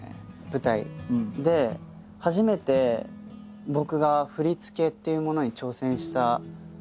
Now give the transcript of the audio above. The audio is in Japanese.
舞台で初めて僕が振り付けっていうものに挑戦したときがありまして。